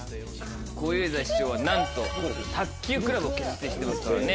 小遊三師匠はなんと卓球クラブを結成してますからね。